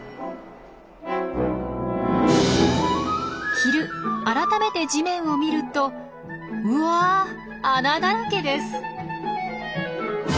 昼改めて地面を見るとうわ穴だらけです！